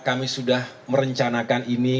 kami sudah merencanakan ini